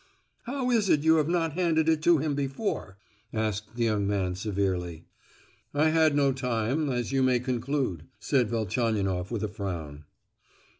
"How is it you have not handed it to him before?" asked the young man severely. "I had no time, as you may conclude," said Velchaninoff with a frown.